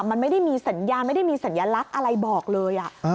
มันไม่ได้มีสัญญาณไม่ได้มีสัญลักษณ์อะไรบอกเลย